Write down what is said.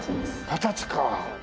二十歳か。